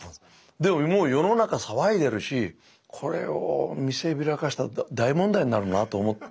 でももう世の中騒いでるしこれを見せびらかしたら大問題になるなと思って。